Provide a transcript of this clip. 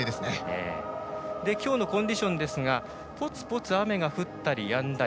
今日のコンディションですがぽつぽつ雨が降ったりやんだり。